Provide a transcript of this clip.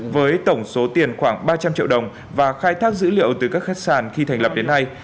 với tổng số tiền khoảng ba trăm linh triệu đồng và khai thác dữ liệu từ các khách sạn khi thành lập đến nay